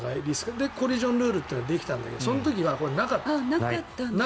コリジョンルールというのができたんだけどこの時はなかった。